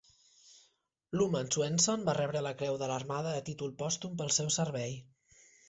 Luman Swenson va rebre la Creu de l'Armada a títol pòstum pel seu servei.